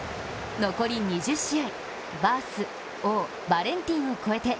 残り２０試合、バース、王、バレンティンを超えて